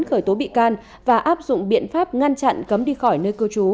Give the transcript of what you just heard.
khởi tố bị can và áp dụng biện pháp ngăn chặn cấm đi khỏi nơi cư trú